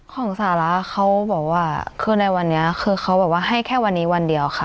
ของสาระเขาบอกว่าคือในวันนี้คือเขาบอกว่าให้แค่วันนี้วันเดียวค่ะ